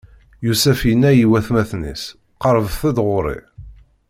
Yusef inna i watmaten-is: Qeṛṛbet-d ɣur-i!